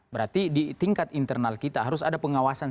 berarti di tingkat internal kita harus ada pengawasan